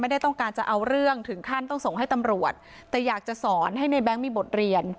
ไม่ได้ต้องการจะเอาเรื่องถึงขั้นต้องส่งให้ตำรวจแต่อยากจะสอนให้ในแง๊งมีบทเรียน